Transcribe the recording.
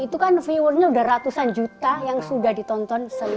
itu kan viewernya udah ratusan juta yang sudah ditonton selama ini